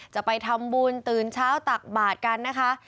จะไปทำบุญตื่นเช้าตักบาทกันนะคะ